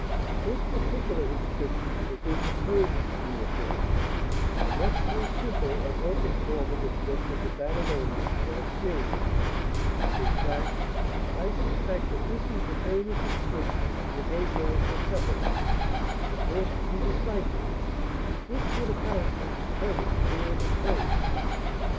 This particular inscription is in the Persian cuneiform, a much more simple and open form of the script than the Babylonian or Assyrian; in fact, I suspect that this is the famous inscription from the gateway at Persepolis the first to be deciphered; which would account for its presence here in a frame.